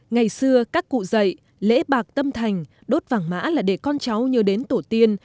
ngày xưa các cụ dạy lễ bạc tâm thành đốt vàng mã là để con cháu nhớ đến tổ tiên